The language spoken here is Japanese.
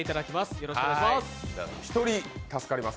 よろしくお願いします。